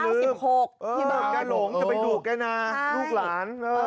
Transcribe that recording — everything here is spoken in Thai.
๙๖ที่บอกตาหลงจะไปดูกแกนะลูกหลาน